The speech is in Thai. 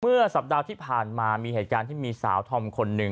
สัปดาห์ที่ผ่านมามีเหตุการณ์ที่มีสาวธอมคนหนึ่ง